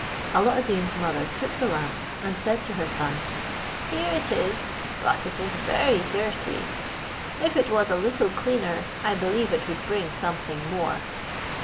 Alla ad Deen's mother took the lamp, and said to her son, "Here it is, but it is very dirty; if it was a little cleaner I believe it would bring something more."